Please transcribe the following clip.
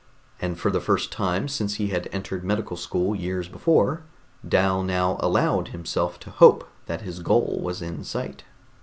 And for the first time since he had entered medical school years before, Dal now allowed himself to hope that his goal was in sight.